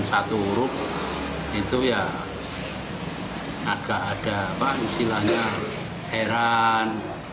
satu huruf itu ya agak ada apa istilahnya heran